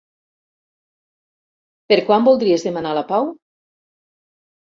Per quan voldries demanar la pau?